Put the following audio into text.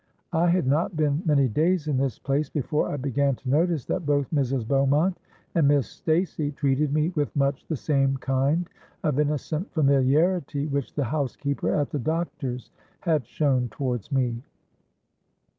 I had not been many days in this place, before I began to notice that both Mrs. Beaumont and Miss Stacey treated me with much the same kind of innocent familiarity which the housekeeper at the doctor's had shown towards me.